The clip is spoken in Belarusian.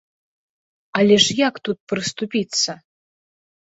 Але ж як тут прыступіцца.